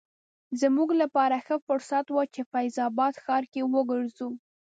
زموږ لپاره ښه فرصت و چې فیض اباد ښار کې وګرځو.